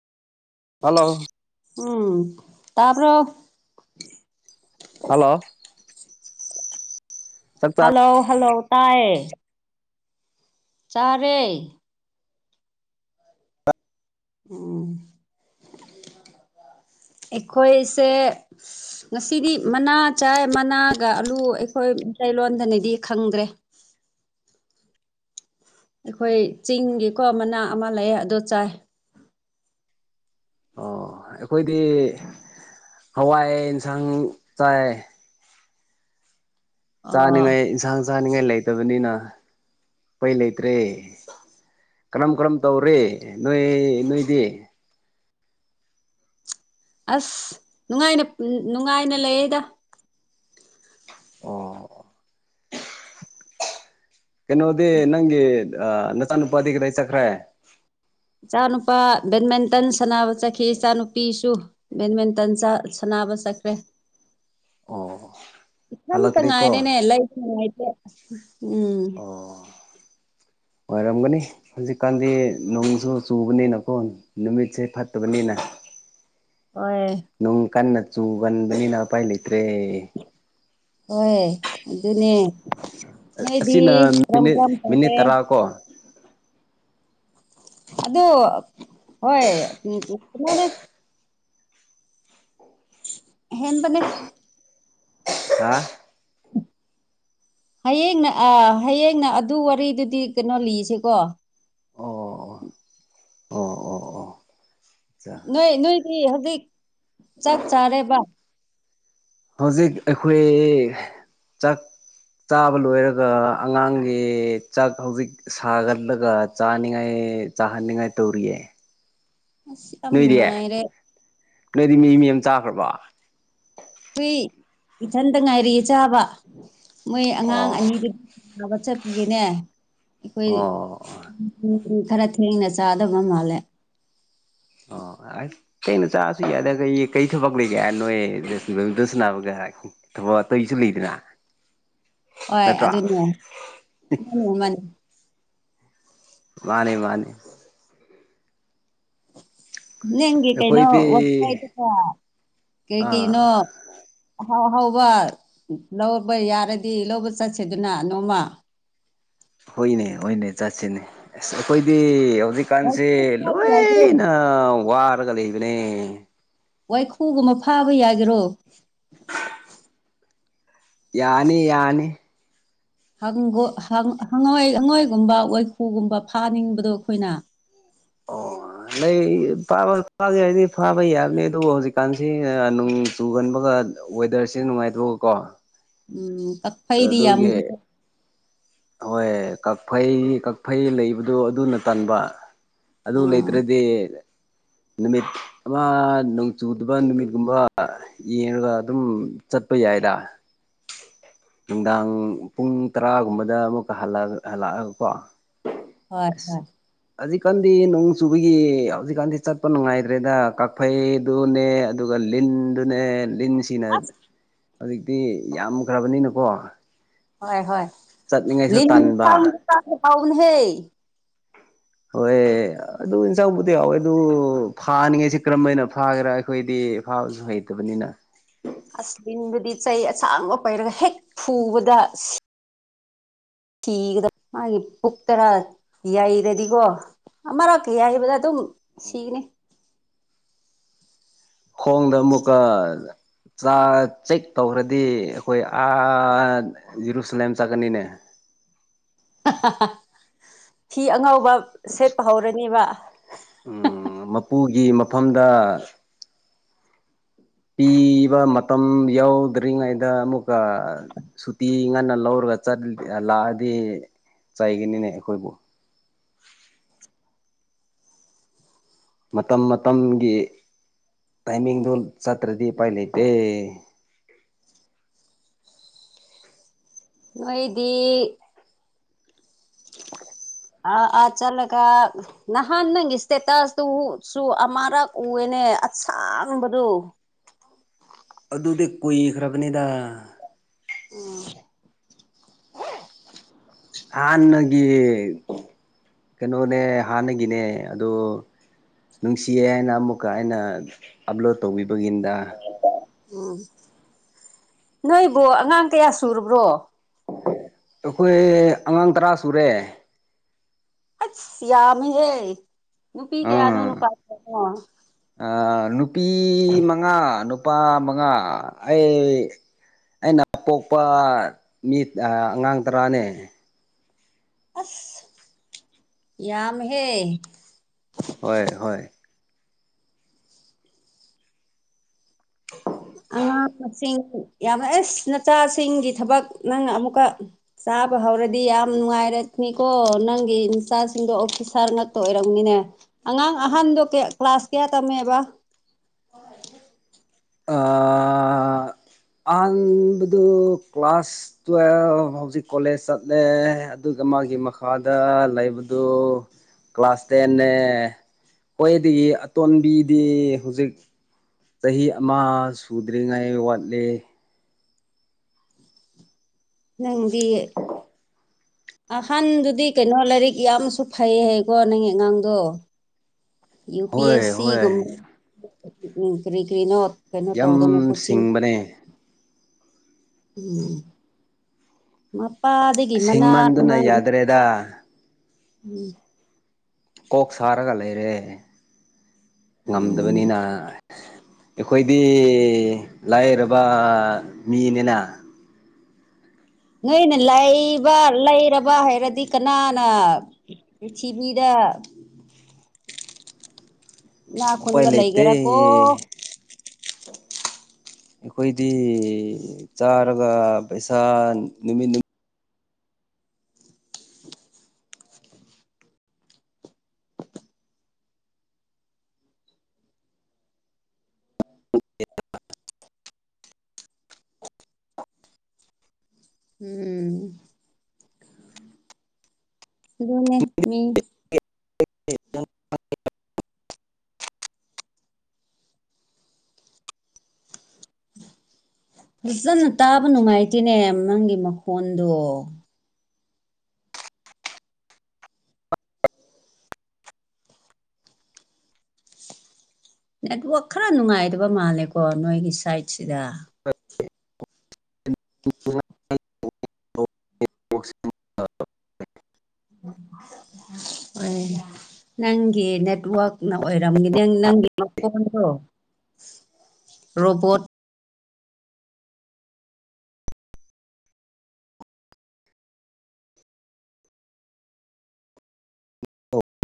hello ꯎꯝ ꯇꯥꯕ꯭ꯔꯣ hello ꯆꯥ ꯂꯣ ꯍꯜꯂꯣ ꯇꯥꯏ ꯆꯥꯔꯦ ꯎꯝ ꯑꯩꯈꯣꯏꯁꯦ ꯉꯁꯤꯗꯤ ꯃꯅꯥ ꯆꯥꯏ ꯃꯅꯥꯒ ꯑꯂꯨ ꯑꯩꯈꯣꯏ ꯃꯇꯩꯂꯣꯟꯗꯅꯗꯤ ꯈꯪꯗ꯭ꯔꯦ ꯑꯩꯈꯣꯏ ꯆꯤꯡꯒꯤꯀꯣ ꯃꯅꯥ ꯑꯃ ꯂꯩꯌꯦ ꯑꯗꯣ ꯆꯥꯏ ꯑꯣ ꯑꯩꯈꯣꯏꯗꯤ ꯍꯋꯥꯏ ꯑꯦꯟꯁꯥꯡ ꯆꯥꯏ ꯑꯣ ꯆꯥꯅꯤꯉꯥꯏ ꯏꯟꯁꯥꯡ ꯆꯥꯅꯤꯡꯉꯥꯏ ꯂꯩꯇꯕꯅꯤꯅ ꯑꯩꯈꯣꯢ ꯂꯩꯇ꯭ꯔꯦ ꯀꯔꯝ ꯀꯔꯝ ꯇꯧꯔꯤ ꯅꯣꯏ ꯅꯣꯏꯗꯤ ꯑꯁ ꯅꯨꯡꯉꯥꯏꯅ ꯅꯨꯡꯉꯥꯏꯅ ꯂꯩꯌꯦꯗ ꯑꯣ ꯀꯩꯅꯣꯗꯤ ꯅꯪꯒꯤ ꯅꯆꯥꯅꯨꯄꯥꯗꯤ ꯀꯗꯥꯏ ꯆꯠꯈ꯭ꯔꯦ ꯏꯆꯥꯅꯨꯄꯥ ꯕꯦꯠꯃꯤꯟꯇꯟ ꯁꯥꯟꯅꯕ ꯆꯠꯈꯤ ꯏꯆꯥꯅꯨꯄꯤꯁꯨ ꯕꯦꯠꯃꯤꯟꯇꯟ ꯁꯅꯕ ꯆꯠꯈ꯭ꯔꯦ ꯑꯣ ꯏꯊꯟꯇ ꯍꯜꯂꯛꯇ꯭ꯔꯤꯀꯣ ꯉꯥꯢꯔꯦꯅꯦ ꯂꯩꯕꯨ ꯅꯨꯉꯥꯏ ꯎꯝ ꯑꯣ ꯑꯣꯏꯔꯝꯒꯅꯤ ꯍꯧꯖꯤꯛꯀꯥꯟꯗꯤ ꯅꯣꯡꯁꯨ ꯆꯨꯕꯅꯤꯅꯀꯣ ꯅꯨꯃꯤꯠꯁꯦ ꯐꯠꯇꯕꯅꯤꯅ [inaudible] ꯍꯣꯏ ꯅꯨꯡ ꯀꯟꯅ ꯆꯨꯒꯟꯕꯅꯤꯅ ꯎꯄꯥꯏ ꯂꯩꯇ꯭ꯔꯦ ꯍꯣꯏ ꯑꯗꯨꯅꯦ ꯅꯣꯏꯗꯤ ꯑꯁꯤꯅ ꯀꯔꯝ ꯀꯔꯝ ꯃꯤꯅꯤꯠ ꯃꯤꯅꯤꯠ ꯇꯧꯒꯦ ꯇꯔꯥ ꯀꯣ ꯑꯗꯨ ꯍꯣꯏ ꯎ ꯀꯩꯅꯣꯅꯦ ꯍꯦꯟꯕꯅꯦ ꯍꯥ ꯍꯌꯦꯡꯅ ꯍꯌꯦꯡꯅ ꯑꯗꯨ ꯋꯥꯔꯤꯗꯨꯗꯤ ꯀꯩꯅꯣ ꯂꯤꯁꯤꯀꯣ ꯑꯣ ꯑꯣ ꯑꯣ ꯑꯣ ꯑꯆꯥ ꯅꯣꯏ ꯅꯣꯏꯗꯤ ꯍꯧꯖꯤꯛ ꯆꯥꯛ ꯆꯥꯔꯦꯕ ꯍꯧꯖꯤꯛ ꯑꯩꯈꯣꯏ ꯆꯥꯛ ꯆꯥꯕ ꯂꯣꯏꯔꯒ ꯑꯉꯥꯡꯒꯤ ꯆꯥꯛ ꯍꯧꯖꯤꯛ ꯁꯥꯒꯠꯂꯒ ꯆꯥꯅꯤꯡꯉꯥꯏ ꯆꯥꯍꯅꯤꯡꯉꯥꯏ ꯇꯧꯔꯤꯌꯦ ꯑꯁ ꯌꯥꯝ ꯅꯣꯏꯗꯤ ꯅꯨꯡꯉꯥꯏꯔꯦ ꯅꯣꯏꯗꯤ ꯃꯤ ꯃꯤ ꯑꯃ ꯆꯥꯈ꯭ꯔꯕ ꯍꯨꯏ ꯏꯊꯟꯗ ꯉꯥꯏꯔꯤ ꯆꯥꯕ ꯃꯣꯏ ꯑꯣ ꯑꯉꯥꯡ ꯑꯅꯤꯗꯤ ꯊꯕꯛ ꯆꯠꯄꯒꯤꯅꯦ ꯑꯩꯈꯣꯏ ꯑꯣ ꯎꯝ ꯈꯔ ꯊꯦꯡꯅ ꯆꯥꯗꯕ ꯃꯥꯜꯂꯦ ꯑꯣ ꯑ ꯀꯩꯅ ꯆꯥꯁꯨ ꯌꯥꯗ ꯀꯩ ꯀꯩ ꯊꯕꯛ ꯂꯩꯒꯦ ꯅꯣꯏ ꯕꯥꯔꯃꯤꯇꯟ ꯁꯥꯟꯅꯕ ꯀꯥꯏ ꯊꯕꯛ ꯑꯇꯩꯁꯨ ꯂꯩꯗꯅ ꯍꯣꯏ ꯅꯠꯇ꯭ꯔꯣ ꯑꯗꯨꯅꯦ ꯃꯥꯅꯤ ꯃꯥꯅꯤ ꯃꯥꯅꯦ ꯃꯥꯅꯤ ꯅꯪꯒꯤ ꯀꯩꯅꯣ ꯑꯩꯈꯣꯏꯗꯤ ꯋꯥꯗ ꯀꯩ ꯑꯥ ꯀꯩꯅꯣ ꯍꯥꯎ ꯍꯥꯎꯕ ꯂꯧꯕ ꯌꯥꯔꯗꯤ ꯂꯧꯕ ꯆꯠꯁꯤꯗꯨꯅ ꯅꯣꯡꯃ ꯍꯣꯏꯅꯦ ꯍꯣꯏꯅꯦ ꯆꯠꯁꯤꯅꯦ ꯑꯁ ꯑꯩꯈꯣꯏꯗꯤ ꯍꯧꯖꯤꯛ ꯀꯟꯁꯦ ꯂꯣꯏꯅ ꯋꯥꯔꯒ ꯂꯩꯕꯅꯦ ꯋꯥꯏꯈꯨꯒꯨꯝꯕ ꯐꯥꯕ ꯌꯥꯒꯦꯔꯣ ꯌꯥꯅꯤ ꯌꯥꯅꯤ ꯍꯪ ꯍꯪꯉꯣꯏ ꯍꯪꯉꯣꯏꯒꯨꯝꯕ ꯋꯥꯏꯈꯨꯒꯨꯝꯕ ꯐꯥꯅꯤꯡꯕꯗꯣ ꯑꯩꯈꯣꯏꯅ ꯑꯣ ꯂꯩꯥ ꯐꯥꯕ ꯐꯥꯒꯦ ꯍꯥꯏꯔꯗꯤ ꯐꯥꯕ ꯌꯥꯕꯅꯤ ꯑꯗꯨꯕꯨ ꯍꯧꯖꯤꯛꯀꯥꯟꯁꯤ ꯅꯣꯡ ꯆꯨꯒꯟꯕꯒ ꯋꯦꯗꯔꯁꯤ ꯅꯨꯡꯉꯥꯏꯇ꯭ꯔꯣ ꯀꯣ ꯎꯝ ꯀꯛ ꯐꯩꯗꯤ ꯌꯥꯝ ꯍꯣꯏ ꯀꯛꯐꯩ ꯀꯛꯐꯩ ꯂꯩꯕꯗꯣ ꯑꯗꯨꯅ ꯇꯟꯕ ꯑꯗꯨ ꯂꯩ ꯑꯥ ꯂꯩꯇ꯭ꯔꯗꯤ ꯅꯨꯃꯤꯠ ꯑꯃ ꯅꯣꯡ ꯆꯨꯗꯕ ꯅꯨꯃꯤꯠꯒꯨꯝꯕ ꯌꯦꯡꯉꯒ ꯑꯗꯨꯝ ꯆꯠꯄ ꯌꯥꯏꯗ ꯅꯨꯡꯗꯥꯡ ꯄꯨꯡ ꯇꯔꯥꯒꯨꯝꯕꯗ ꯑꯃꯨꯛꯀ ꯍꯜꯂꯛꯑꯒꯀꯣ ꯍꯣꯏ ꯑꯁ ꯍꯣꯏ ꯍꯧꯖꯤꯛꯀꯥꯟꯗꯤ ꯅꯣꯡ ꯆꯨꯕꯒꯤ ꯍꯧꯖꯤꯛꯀꯥꯟꯗꯤ ꯆꯠꯄ ꯅꯨꯡꯉꯥꯏꯇ꯭ꯔꯦꯗ ꯀꯛꯐꯩ ꯇꯨꯅꯦ ꯑꯗꯨꯒ ꯂꯤꯟꯗꯨꯅꯦ ꯂꯤꯟ ꯁꯤꯅ ꯑꯁ ꯍꯧꯖꯤꯛꯇꯤ ꯌꯥꯝꯈ꯭ꯔꯕꯅꯤꯅꯀꯣ ꯍꯣꯏ ꯍꯣꯏ ꯆꯠꯅꯤꯡꯉꯥꯏꯁꯨ ꯂꯤꯟ ꯇꯟꯕ [unintelligible] ꯅꯦꯍꯦ ꯍꯣꯏ ꯑꯗꯨ ꯏꯟꯁꯥꯎꯕꯨꯗꯤ ꯌꯥꯎꯋꯦ ꯑꯗꯨ ꯐꯥꯅꯤꯡꯉꯥꯏꯁꯤ ꯀꯔꯝꯕꯅ ꯐꯥꯒꯦꯔꯥ ꯑꯩꯈꯣꯏꯗꯤ ꯐꯥꯕꯁꯨ ꯍꯩꯇꯕꯅꯤꯅ ꯑꯁ ꯂꯤꯟꯕꯨꯗꯤ ꯆꯩ ꯑꯁꯥꯡꯕ ꯄꯩꯔꯒ ꯍꯦꯛ ꯐꯨꯕꯗ ꯁꯤ ꯊꯤꯒꯗ꯭ꯔ ꯃꯥꯒꯤ ꯄꯨꯛꯇꯔꯥ ꯌꯩꯔꯗꯤꯀꯣ ꯑꯃꯛ ꯌꯩꯕꯗ ꯑꯗꯨꯝ ꯁꯤꯒꯅꯤ ꯈꯣꯡꯗ ꯃꯨꯛꯀ ꯆꯥ ꯆꯦꯛ ꯇꯧꯈ꯭ꯔꯗꯤ ꯑꯩꯈꯣꯏ ꯑꯥ ꯖꯤꯔꯨꯁꯂꯝ ꯆꯠꯀꯅꯤꯅꯦ ꯐꯤ ꯑꯉꯧꯕ ꯁꯦꯠꯄ ꯍꯧꯔꯅꯦꯕ ꯎꯝ ꯃꯄꯨꯒꯤ ꯃꯐꯝꯗ ꯄꯤꯕ ꯃꯇꯝ ꯌꯥꯎꯗ꯭ꯔꯤꯉꯩꯗ ꯑꯃꯨꯛꯀ ꯁꯨꯇꯤ ꯉꯟꯅ ꯂꯧꯔꯒ ꯆꯠ ꯂꯥꯛꯑꯗꯤ ꯆꯩꯥꯏꯒꯅꯤꯅꯦ ꯑꯩꯈꯣꯏꯕꯨ ꯃꯇꯝ ꯃꯇꯝꯒꯤ ꯇꯥꯏꯃꯤꯡꯗꯣ ꯆꯠꯇ꯭ꯔꯗꯤ ꯎꯄꯥꯏ ꯂꯩꯇꯦ ꯅꯣꯏꯗꯤ [inaudible] ꯑ ꯑꯥ ꯆꯠꯂꯒ ꯅꯍꯥꯟ ꯅꯪꯒꯤ ꯏꯁꯇꯦꯇꯁꯇꯨꯁꯨ ꯑꯃꯔꯛ ꯎꯑꯦꯅꯦ ꯑꯁꯥꯡꯕꯗꯨ ꯑꯗꯨꯗꯤ ꯀꯨꯏꯈ꯭ꯔꯕꯅꯤꯗ ꯎꯝ ꯍꯥꯟꯅꯒꯤ ꯀꯩꯅꯣꯅꯦ ꯍꯥꯟꯅꯒꯤꯅꯦ ꯑꯗꯣ ꯅꯨꯡꯁꯤꯌꯦ ꯍꯥꯏꯅ ꯑꯃꯨꯛꯀ ꯑꯩꯅ ꯑꯞꯂꯣꯗ ꯇꯧꯕꯤꯕꯒꯤꯅꯤꯗ ꯎꯝ ꯅꯣꯏꯕꯨ ꯑꯉꯥꯡ ꯀꯌꯥ ꯁꯨꯔꯕ꯭ꯔꯣ ꯑꯩꯈꯣꯏ ꯑꯉꯥꯡ ꯇꯔꯥ ꯁꯨꯔꯦ ꯑꯁ ꯌꯥꯝꯃꯤꯍꯦ ꯅꯨꯄꯤ ꯀꯌꯥꯅꯣ ꯅꯨꯄꯥ ꯀꯌꯥꯅꯣ ꯑ ꯅꯨꯄꯤ ꯃꯉꯥ ꯅꯨꯄꯥ ꯃꯉꯥ ꯑꯩ ꯑꯩꯅ ꯄꯣꯛꯄ ꯃꯤ ꯑꯉꯥꯡ ꯇꯔꯥꯅꯦ ꯑꯁ ꯌꯥꯝꯃꯦꯍꯦ ꯍꯣꯏ ꯍꯣꯏ [inaudible] ꯑꯉꯥꯡ ꯃꯁꯤꯡ ꯌꯥꯝꯅ ꯑꯦꯁ ꯅꯆꯥꯁꯤꯡꯒꯤ ꯊꯕꯛ ꯅꯪ ꯑꯃꯨꯛꯀ ꯆꯥꯕ ꯍꯧꯔꯗꯤ ꯌꯥꯝ ꯅꯨꯡꯉꯥꯏꯔꯅꯤꯀꯣ ꯅꯪꯒꯤ ꯏꯆꯥꯁꯤꯡꯗꯣ ꯑꯣꯐꯤꯁꯥꯔ ꯉꯥꯛꯇ ꯑꯣꯏꯔꯝꯅꯤꯅꯦ ꯑꯉꯥꯡ ꯑꯍꯟꯗꯣ ꯀ꯭ꯂꯥꯁ ꯀꯌꯥ ꯇꯝꯃꯦꯕ ꯑ ꯑꯍꯟꯗꯨꯗꯤ ꯀ꯭ꯂꯥꯁ ꯇꯨꯌꯦꯜꯐ ꯍꯧꯖꯤꯛ ꯀꯣꯂꯦꯖ ꯆꯠꯂꯦ ꯑꯗꯨꯒ ꯃꯥꯒꯤ ꯃꯈꯥꯗ ꯂꯩꯕꯗꯨ ꯀ꯭ꯂꯥꯁ ꯇꯦꯟꯅꯦ ꯈꯋ꯭ꯥꯏꯗꯒꯤ ꯑꯇꯣꯟꯕꯤꯗꯤ ꯍꯧꯖꯤꯛ ꯆꯍꯤ ꯑꯃ ꯁꯨꯗ꯭ꯔꯤꯉꯩ ꯋꯥꯠꯂꯦ ꯅꯪꯗꯤ ꯑꯍꯟꯗꯨꯗꯤ ꯀꯩꯅꯣ ꯂꯥꯏꯔꯤꯛ ꯌꯥꯝꯁꯨ ꯐꯩ ꯍꯥꯏꯀꯣ ꯅꯪꯒꯤ ꯑꯉꯥꯡꯗꯣ ꯍꯣꯏ ꯍꯣꯏ ꯌꯨ꯬ꯄꯤ꯬ꯑꯦ꯬ꯁꯤꯒꯨꯝꯕ ꯀꯔꯤ ꯀ꯭ꯔꯤꯅꯣ ꯀꯩꯅꯣ ꯌꯥꯝ ꯇꯧꯗꯅ ꯀꯣꯆꯤꯡ ꯁꯤꯡꯕꯅꯦ ꯎꯝ ꯃꯄꯥꯗꯒꯤ ꯃꯅꯥ ꯁꯤꯡꯃꯟꯗꯨꯅ [unintelligible] ꯌꯥꯗ꯭ꯔꯦꯗ ꯎꯝ ꯀꯣꯛ ꯁꯥꯔꯒ ꯂꯩꯔꯦ ꯉꯝꯗꯕꯅꯤꯅ ꯑꯩꯈꯣꯏꯗꯤ ꯂꯥꯏꯔꯕ ꯃꯤꯅꯤꯅ ꯅꯣꯏꯅ ꯂꯩꯕ ꯂꯩꯔꯕ ꯍꯥꯏꯔꯗꯤ ꯀꯅꯥꯅ ꯄ꯭ꯔꯤꯊꯤꯕꯤꯗ ꯏꯅꯥꯛ ꯎꯄꯥꯏ ꯈꯨꯟꯕ ꯂꯩꯇꯦ ꯂꯩꯒꯦꯔ ꯀꯣ ꯑꯩꯈꯣꯏꯗꯤ ꯆꯥꯔꯒ ꯄꯩꯁꯥ ꯅꯨꯃꯤꯠ ꯅꯨ ꯎꯝ ꯑꯗꯨꯅꯦ ꯃꯤ [unintelligible] ꯐꯖꯅ ꯇꯥꯕ ꯅꯨꯡꯉꯥꯏꯇꯦꯅꯦ ꯅꯪꯒꯤ ꯃꯈꯣꯟꯗꯣ ꯅꯦꯠꯋꯥꯛ ꯈꯔ ꯅꯨꯡꯉꯥꯏꯇꯕ ꯃꯥꯜꯂꯦꯀꯣ ꯅꯣꯏꯒꯤ ꯁꯥꯏꯠꯁꯤꯗ ꯅꯨꯡꯉꯥ [unintelligible] ꯍꯣꯏ ꯅꯪꯒꯤ ꯅꯦꯠꯋꯥꯛꯅ ꯑꯣꯏꯔꯝꯒꯅꯦ ꯅꯪꯒꯤ ꯃꯈꯣꯟꯗꯣ ꯔꯣꯕꯣꯠ